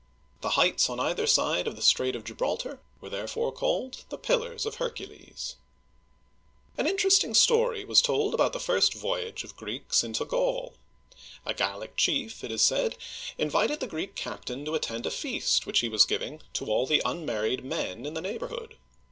The heights on either side of the Strait of Gibraltar were therefore called the Pillars of Hercules. An interesting story was told about the first voyage of Greeks to Gaul. A Gallic chief, it is said, invited the Greek captain to attend a feast which he was giving to all the unmarried men in the neighborhood.